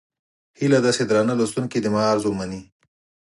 هيله ده چې درانه لوستونکي زما عرض ومني.